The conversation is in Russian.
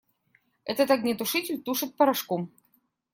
Этот огнетушитель тушит порошком.